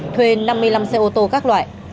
thuê năm mươi năm xe ô tô các loại